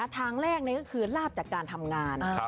ทางแรกก็คือลาบจากการทำงาน